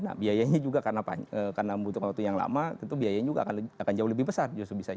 nah biayanya juga karena membutuhkan waktu yang lama tentu biayanya juga akan jauh lebih besar justru bisa